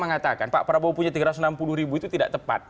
mengatakan pak prabowo punya tiga ratus enam puluh ribu itu tidak tepat